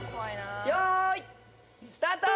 よーいスタート！